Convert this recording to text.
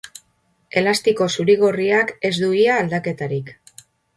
Elastiko zuri-gorriak ez du ia aldaketarik.